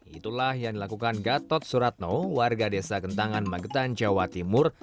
itulah yang dilakukan gatot suratno warga desa kentangan magetan jawa timur